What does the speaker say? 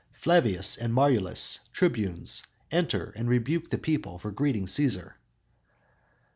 Flavius and Marullus, tribunes, enter and rebuke the people for greeting Cæsar.